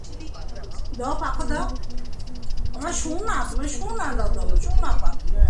আল্লাহর হুকুমে মাছের নির্গমন জায়গায় পানির চলাচল বন্ধ হয়ে গেল।